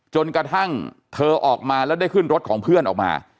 จนกระทั่งเธอออกมาแล้วได้ขึ้นรถของเพื่อนออกมา